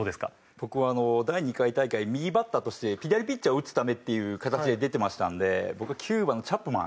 僕は第２回大会右バッターとして左ピッチャーを打つためっていう形で出てましたんで僕はキューバのチャップマン。